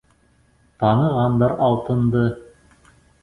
Танығандар Алтынды.